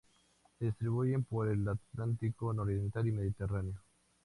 Se distribuye por el Atlántico nororiental y el Mediterráneo.